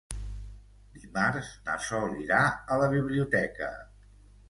Dimarts na Sol irà a la biblioteca.